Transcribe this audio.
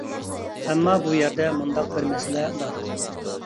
ئەمما بۇ يەردە مۇنداق بىر مەسىلە بار.